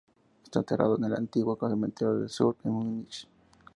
Está enterrado en el Antiguo Cementerio del Sur en Múnich.